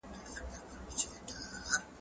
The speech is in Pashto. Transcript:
د څېړنې پایلې د نورو څېړنو سره توپیر لري.